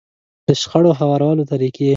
د شخړو هوارولو طريقې.